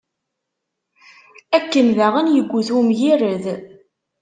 Akken daɣen yuget umgired.